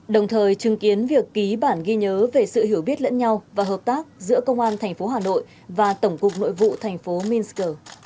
đồng thời chứng kiến việc ký bản ghi nhớ về sự hiểu biết lẫn nhau và hợp tác giữa công an tp hà nội và tổng cục nội vụ thành phố minsk